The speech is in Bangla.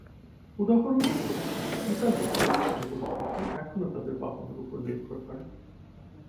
উদাহরণস্বরূপ, ইতালিতে কিছু যুবক-যুবতী এখনও তাদের বাবামার ওপর নির্ভর করে।